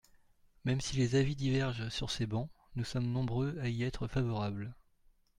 Même si les avis divergent sur ces bancs, nous sommes nombreux à y être favorables.